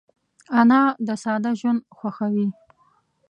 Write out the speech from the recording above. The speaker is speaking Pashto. انا د ساده ژوند خوښوي